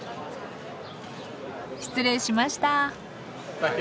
失礼しました。